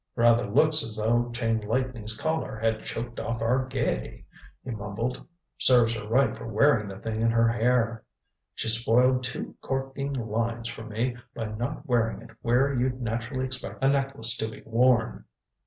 "Rather looks as though Chain Lightning's Collar had choked off our gaiety," he mumbled. "Serves her right for wearing the thing in her hair. She spoiled two corking lines for me by not wearing it where you'd naturally expect a necklace to be worn."